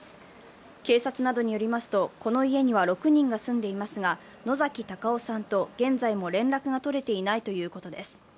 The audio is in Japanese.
警察などによりますと、この家には６人が住んでいますが、野崎隆大さんと現在も連絡が取れていないということです。